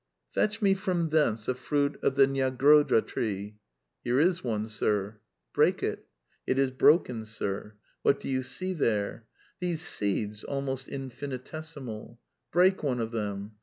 *'' Fetch me from thence a fruit of the Nyagrodha tree.' "'Here is one. Sir.' "' Break it.' «' It is broken. Sir.' "' What do you see there? '^ These seeds, almost in£nitesimaL' "'Break one of them.'